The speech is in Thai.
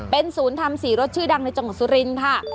เป็นศูนย์ทำสีรถชื่อดังในจังหวัดสุรินทร์ค่ะ